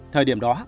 thời điểm đó